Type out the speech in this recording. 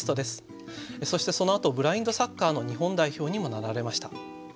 そしてそのあとブラインドサッカーの日本代表にもなられました。